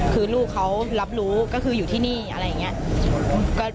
คือลูกเขารับรู้ก็คืออยู่ที่นี่อะไรอย่างนี้